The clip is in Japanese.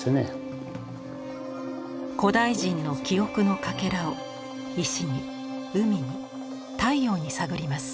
古代人の記憶のかけらを石に海に太陽に探ります。